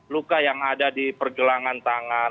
luka yang ada di pergelangan tangan